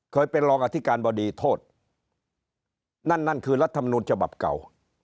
เคยเป็นรองอธิการบดีโทษนั่นนั่นคือรัฐมนูลฉบับเก่า